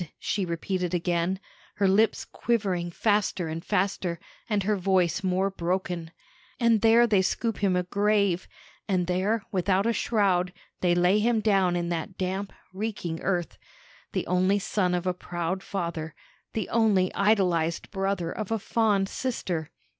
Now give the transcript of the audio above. she repeated again, her lips quivering faster and faster, and her voice more broken. "And there they scoop him a grave; and there, without a shroud, they lay him down in that damp, reeking earth, the only son of a proud father, the only idolized brother of a fond sister.